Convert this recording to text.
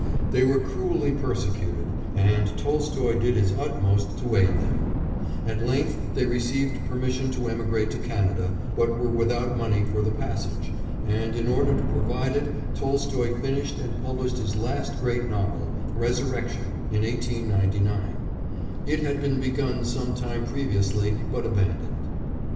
They were cruelly persecuted, and Tolstoy did his utmost to aid them; at length they received permission to emigrate to Canada, but were without money for the passage, and, in order to provide it, Tolstoy finished and published his last great novel, Resurrection, in 1899; it had been begun some time previously but abandoned.